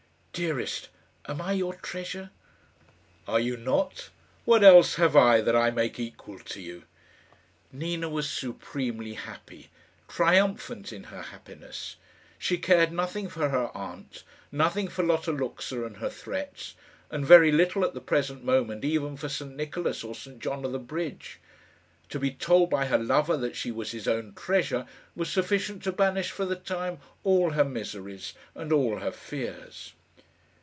"Dearest, am I your treasure?" "Are you not? What else have I that I make equal to you?" Nina was supremely happy triumphant in her happiness. She cared nothing for her aunt, nothing for Lotta Luxa and her threats; and very little at the present moment even for St Nicholas or St John of the Bridge. To be told by her lover that she was his own treasure, was sufficient to banish for the time all her miseries and all her fears.